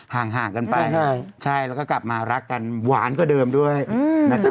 ห่างกันไปใช่แล้วก็กลับมารักกันหวานกว่าเดิมด้วยนะครับ